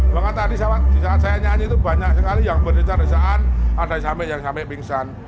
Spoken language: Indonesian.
bahkan tadi saat saya nyanyi itu banyak sekali yang berdekat di saat ada yang sampai pingsan